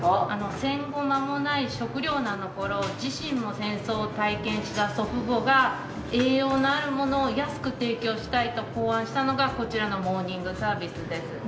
戦後間もない食料難なころ、自身も戦争を体験した祖父母が栄養のあるものを安く提供したいと考案したのがこちらのモーニングサービスです。